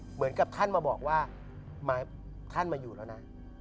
เหมือนกับท่านมาบอกว่าท่านมาอยู่แล้วนะ